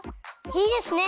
いいですね。